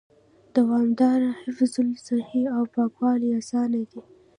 دوامدار حفظ الصحه او پاکوالي آسانه دي